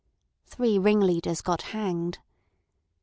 Three ring leaders got hanged.